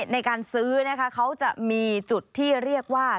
ในการซื้อนะคะเขาจะมีจุดที่เรียกว่า